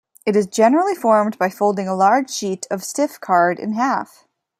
It is generally formed by folding a large sheet of stiff card in half.